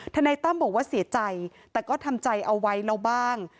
นายตั้มบอกว่าเสียใจแต่ก็ทำใจเอาไว้แล้วบ้าง